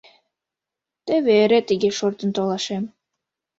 — Теве эре тыге шортын толашем.